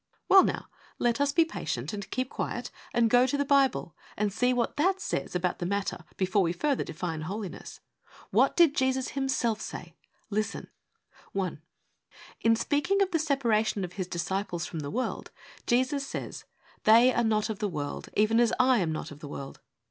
Well, now, let us be patient, and keep quiet, and go to the Bible, and see what that says about the matter before we further define Holiness. What did Jesus Himself say ? Listen ! I. In speaking of the separation of His disciples from the world, Jesus says, 'They are not of the world, even as I am not of the world.